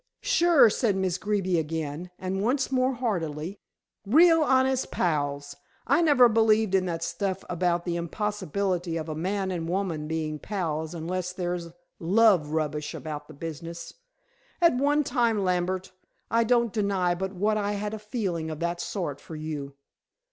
"Sure," said Miss Greeby again, and once more heartily. "Real, honest pals. I never believed in that stuff about the impossibility of a man and woman being pals unless there's love rubbish about the business. At one time, Lambert, I don't deny but what I had a feeling of that sort for you."